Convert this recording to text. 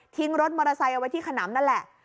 รถมอเตอร์ไซค์เอาไว้ที่ขนำนั่นแหละ